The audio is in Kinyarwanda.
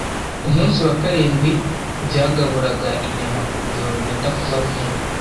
Umunsi wa Karindwi byagaburaga inyama ku rugero rwenda kuba runini